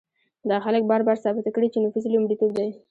دا خلک بار بار ثابته کړې چې نفوذ یې لومړیتوب دی.